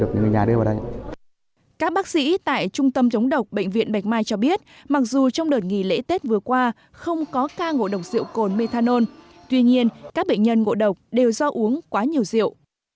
các bác sĩ tại trung tâm chống độc bệnh viện bạch mai cho biết mặc dù trong đợt nghỉ lễ tết vừa qua không có ca ngộ độc rượu cồn methanol tuy nhiên các bệnh nhân ngộ độc đều do uống quá nhiều rượu